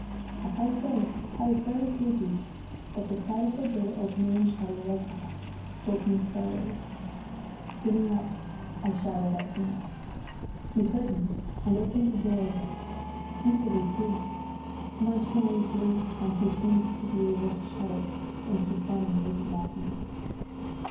As I say, I was very sleepy, but the sight of the door opening and shutting like that woke me thoroughly. Sitting up I shouted at him. He heard me and opened the door again, easily, too, much more easily than he seemed to be able to shut it when he saw me looking at him.